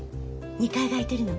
２階が空いてるの。